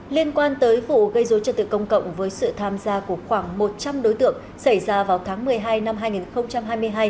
liên quan tới vụ gây dối trật tự công cộng với sự tham gia của khoảng một trăm linh đối tượng xảy ra vào tháng một mươi hai năm hai nghìn hai mươi hai